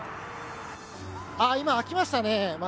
あー、今、開きましたね、窓。